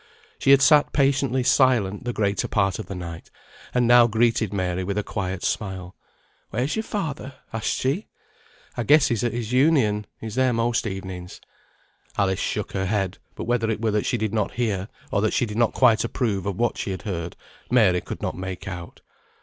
She had sat patiently silent the greater part of the night, and now greeted Mary with a quiet smile. "Where's yo'r father?" asked she. "I guess he's at his Union; he's there most evenings." Alice shook her head; but whether it were that she did not hear, or that she did not quite approve of what she heard, Mary could not make out.